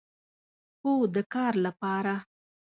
هو، د کار لپاره